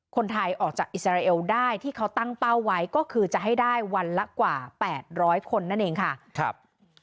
คนไทยออกจากอิสราเอลได้ที่เขาตั้งเป้าไว้ก็คือจะให้ได้วันละกว่า๘๐๐คนนั่นเองค่ะครับ